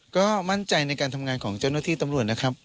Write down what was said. ก็มั่นใจในการทำงานของเจ้าหน้าที่ตำรวจนะครับ